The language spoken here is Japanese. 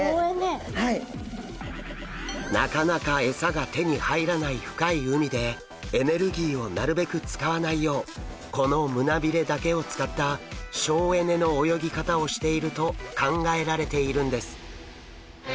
なかなかエサが手に入らない深い海でエネルギーをなるべく使わないようこの胸びれだけを使った省エネの泳ぎ方をしていると考えられているんです。